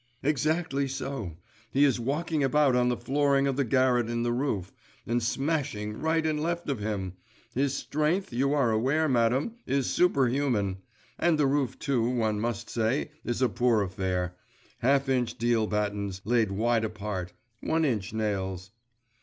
'Exactly so. He is walking about on the flooring of the garret in the roof, and smashing right and left of him. His strength, you are aware, madam, is superhuman. And the roof too, one must say, is a poor affair; half inch deal battens, laid wide apart, one inch nails.